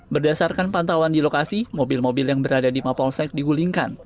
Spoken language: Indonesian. berdasarkan pantauan di lokasi mobil mobil yang berada di mapolsek digulingkan